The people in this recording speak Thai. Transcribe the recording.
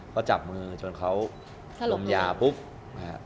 ก็จับมือจ้อนเขาลงเนี่ย